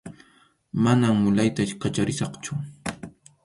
Manam mulayta kacharisaqchu.